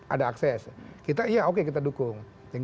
ada akses kita iya oke kita dukung